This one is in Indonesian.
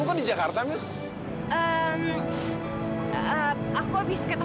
nggak usah pak repot